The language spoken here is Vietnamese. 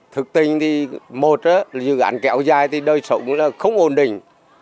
thực tình thì một dự án kẹo dài thì đời sống nó không ổn định